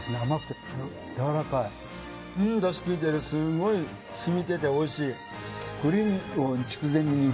すごい染みてておいしい。